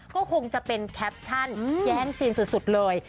ก็คงจะเป็นแคปชั่นแย้งซีนสุดเลย